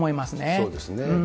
そうですね。